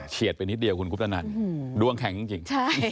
ไปนิดเดียวคุณคุปตนันดวงแข็งจริง